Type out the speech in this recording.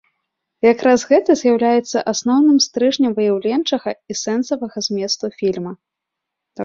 Якраз гэта з'яўляецца асноўным стрыжнем выяўленчага і сэнсавага зместу фільма.